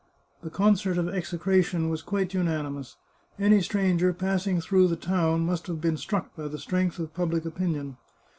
The concert of execration was quite unanimous. Any stranger passing through the town must have been struck by the strength of public opinion.